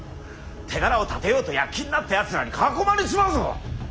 手柄を立てようと躍起になったやつらに囲まれちまうぞ。